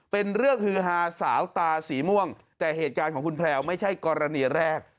เป็นเรื่องฮือฮาสาวตาสีม่วงแต่เหตุการณ์ของคุณแพลวไม่ใช่กรณีแรก